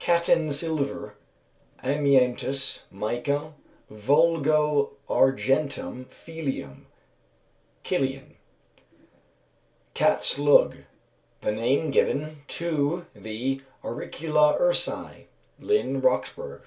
katten silver, amiantus, mica, vulgo argentum felium; Kilian. Cat's Lug. The name given to the Auricula ursi. LINN. (_Roxburgh.